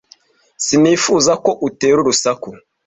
Sinifuzaga ko utera urusaku.